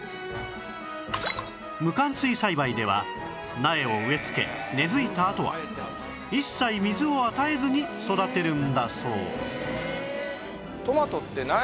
無潅水栽培では苗を植え付け根付いたあとは一切水を与えずに育てるんだそう